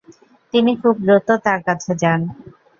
তিনি খুব দ্রুত তার কাছে যান।